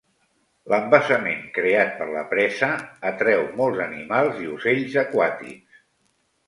L'embassament creat per la presa atreu molts animals i ocells aquàtics.